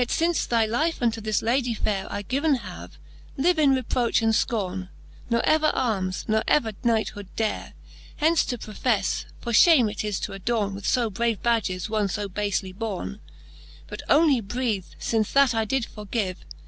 Yet fince thy life unto this Ladie fayre I given have, live in reproch and fcorne j Ne ever armes, ne ever knighthood dare Hence to profefle: for fhame is to adorne With fo brave badges one fo bafely borne j But only breath, fith that I did forgive.